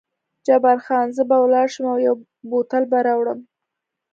جبار خان: زه به ولاړ شم او یو بوتل به راوړم.